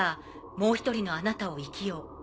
もうひとりのあなたを生きよう。